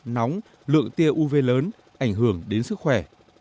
nóng lượng tia uv lớn ảnh hưởng đến sức khỏe